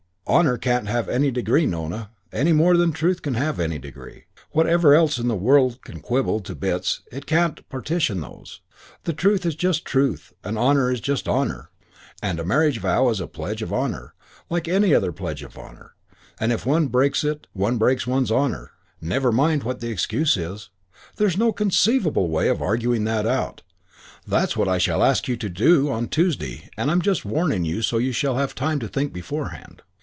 Honour can't have any degree, Nona, any more than truth can have any degree: whatever else the world can quibble to bits it can't partition those: truth is just truth and honour is just honour. And a marriage vow is a pledge of honour like any other pledge of honour, and if one breaks it one breaks one's honour, never mind what the excuse is. There's no conceivable way of arguing out of that. That's what I shall ask you to do on Tuesday and I'm just warning you so you shall have time to think beforehand."